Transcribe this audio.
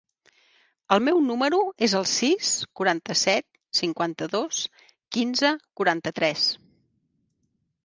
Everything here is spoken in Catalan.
El meu número es el sis, quaranta-set, cinquanta-dos, quinze, quaranta-tres.